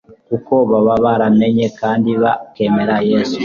kuko baba baramenye kandi bakemera Yesu,